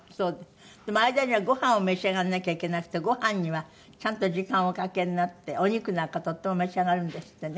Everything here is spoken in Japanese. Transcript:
でも間にはごはんを召し上がらなきゃいけなくてごはんにはちゃんと時間をおかけになってお肉なんかとっても召し上がるんですってね。